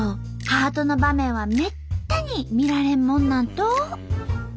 ハートの場面はめったに見られんもんなんと。